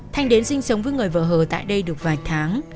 thanh đến sinh sống với người vợ hờ tại đây được vài tháng